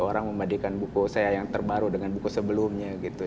orang membadikan buku saya yang terbaru dengan buku sebelumnya gitu